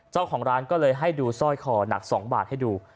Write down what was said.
เจ้าของร้านก็เลยให้ดูสร้อยคอหนัก๒บาทให้ดู